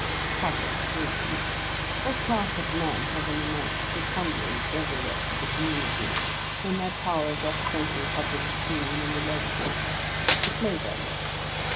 Public opinion! what class of men have an immense preponderance over the rest of the community, in their power of representing public opinion in the legislature? the slave owners.